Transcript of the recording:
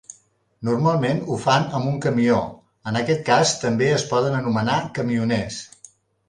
Normalment ho fan amb un camió, en aquest cas també es poden anomenar camioners.